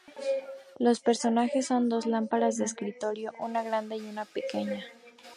Los personajes son dos lámparas de escritorio, una grande y una pequeña.